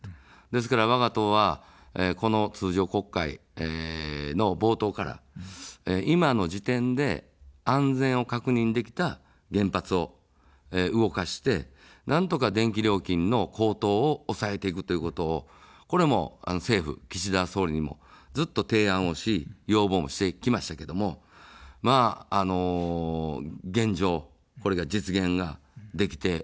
ですから、わが党はこの通常国会の冒頭から、今の時点で、安全を確認できた原発を動かして、なんとか電気料金の高騰を抑えていくということを、政府、岸田総理にもずっと提案をし、要望もしてきましたけども、現状、これが実現ができておりません。